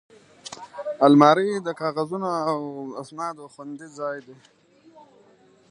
الماري د کاغذونو او اسنادو خوندي ځای دی